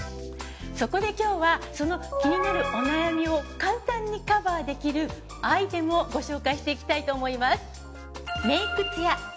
そこで今日はその気になるお悩みを簡単にカバーできるアイテムをご紹介していきたいと思います。